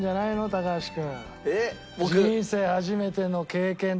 高橋君。